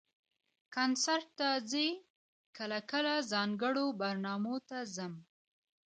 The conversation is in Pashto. کنسرټ ته ځئ؟ کله کله، ځانګړو برنامو ته ځم